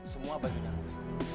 semua bajunya lo